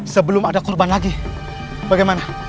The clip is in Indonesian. sebelum ada korban lagi bagaimana